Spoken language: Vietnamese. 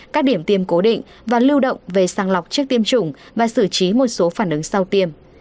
các điểm tiêm cố định và lưu động về sàng lọc trước tiêm chủng và xử trí một số phản ứng sau tiêm